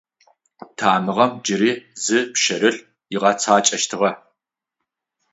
Тамыгъэм джыри зы пшъэрылъ ыгъэцакӏэщтыгъэ.